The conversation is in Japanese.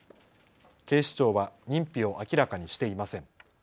警視庁は認否を明らかにしていません。